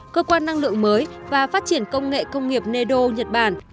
cơ quan năng lượng mới và phát triển công nghệ công nghiệp neo nhật bản